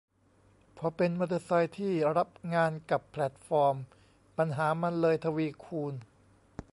พอเป็นมอเตอร์ไซค์ที่รับงานกับแพลตฟอร์ม ปัญหามันเลยทวีคูณ